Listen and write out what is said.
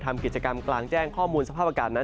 ทำกิจกรรมกลางแจ้งข้อมูลสภาพอากาศนั้น